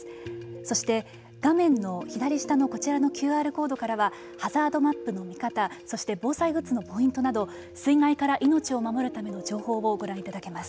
そして、画面の左下のこちらのＱＲコードからはハザードマップの見方そして防災グッズのポイントなど水害から命を守るための情報をご覧いただけます。